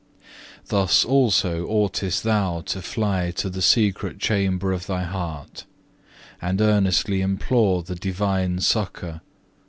Thus also oughtest thou to fly to the secret chamber of thy heart, and earnestly implore the divine succour.